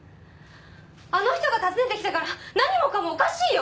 あの人が訪ねてきてから何もかもおかしいよ！